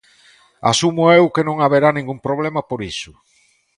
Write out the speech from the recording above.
Asumo eu que non haberá ningún problema por iso.